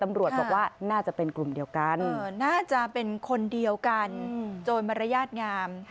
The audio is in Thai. ตำรวจบอกว่าน่าจะเป็นกลุ่มเดียวกันน่าจะเป็นคนเดียวกันโจรมารยาทงาม